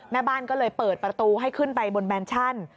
แม่บ้านก็เลยเปิดประตูให้ขึ้นไปบนแบนชั่น